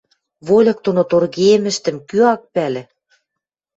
Вольык доно торгейӹмӹштӹм кӱ ак пӓлӹ?